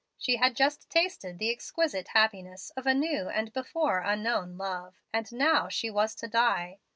She had just tasted the exquisite happiness of a new and before unknown love, and now she was to die.